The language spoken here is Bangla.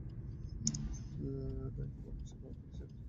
দাইদের পরামর্শে পলাশের একটা দোতলা ঘরের বারান্দায় গিয়ে ক্যামেরা তাক করি আমি।